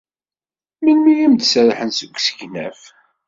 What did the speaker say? Melmi ay am-d-serrḥen seg usegnaf?